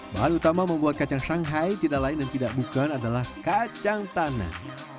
bahan utama membuat kacang shanghai tidak lain dan tidak bukan adalah kacang tanah